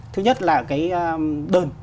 thứ nhất là cái đơn